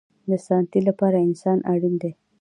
د ساتنې لپاره انسان اړین دی